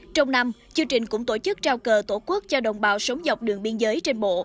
trong năm chương trình cũng tổ chức trao cờ tổ quốc cho đồng bào sống dọc đường biên giới trên bộ